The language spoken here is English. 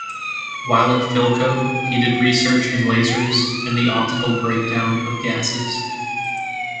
While at Philco, he did research in lasers and the optical breakdown of gases.